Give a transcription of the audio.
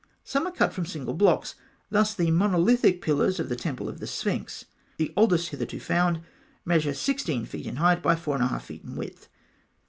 Some are cut from single blocks. Thus, the monolithic pillars of the temple of the sphinx (Note 8), the oldest hitherto found, measure 16 feet in height by 4 1/2 feet in width.